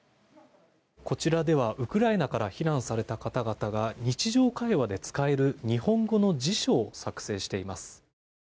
こちらではウクライナから避難された方々が日常会話で使える日本語の辞書を作成しています。